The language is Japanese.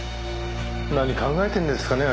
何考えてんですかね？